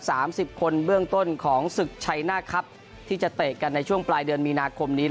สามสิบคนเบื้องต้นของศึกชัยหน้าครับที่จะเตะกันในช่วงปลายเดือนมีนาคมนี้